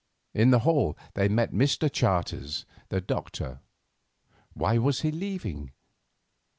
In the hall they met Mr. Charters, the doctor. Why was he leaving?